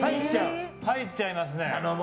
入っちゃいますね。